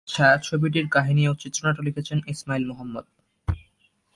ছায়াছবিটির কাহিনী ও চিত্রনাট্য লিখেছেন ইসমাইল মোহাম্মদ।